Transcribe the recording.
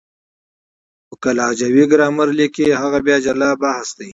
خو که لهجوي ګرامر ليکي هغه بیا جلا بحث دی.